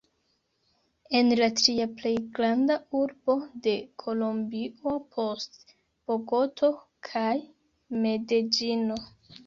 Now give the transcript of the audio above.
En la tria plej granda urbo de Kolombio, post Bogoto kaj Medeĝino.